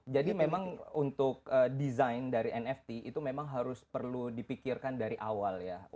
jadi memang untuk desain dari nft itu memang harus perlu dipikirkan dari awal ya